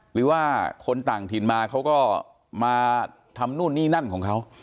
หรือว่าคนต่างถิ่นมาเขาก็มาทำนู่นนี่นั่นของเขา